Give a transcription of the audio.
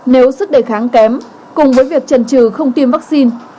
nếu sức đề kháng kém cùng với việc trần trừ không tiêm vaccine